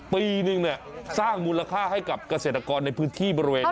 ปีนึงสร้างมูลค่าให้กับเกษตรกรในพื้นที่บริเวณ